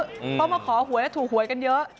เพราะมาขอหวยแล้วถูกหวยกันเยอะ